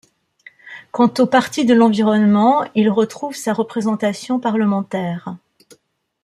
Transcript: Quant au Parti de l'environnement, il retrouve sa représentation parlementaire.